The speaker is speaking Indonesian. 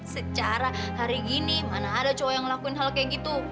secara hari gini mana ada cowok yang ngelakuin hal kayak gitu